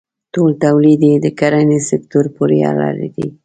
ټول تولید یې د کرنې سکتور پورې اړه لري.